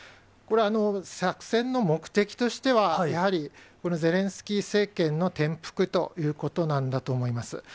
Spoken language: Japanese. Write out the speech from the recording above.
これは作戦の目的としては、やはりゼレンスキー政権の転覆ということなんだと思います。